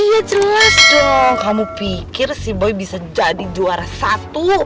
iya jelas dong kamu pikir si boy bisa jadi juara satu